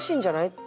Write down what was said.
って